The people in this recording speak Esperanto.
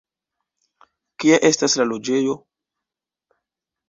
Kia estas la loĝejo?